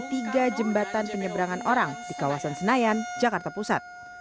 tiga jembatan penyeberangan orang di kawasan senayan jakarta pusat